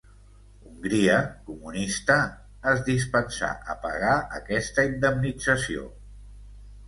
Hongria, comunista, es dispensà a pagar aquesta indemnització.